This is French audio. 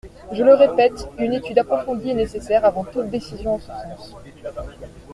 Je le répète : une étude approfondie est nécessaire avant toute décision en ce sens.